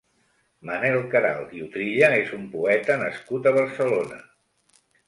Manel Queralt i Utrilla és un poeta nascut a Barcelona.